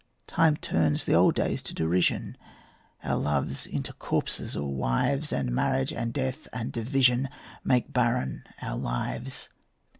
Time turns the old days to derision, Our loves into corpses or wives; And marriage and death and division Make barren our lives.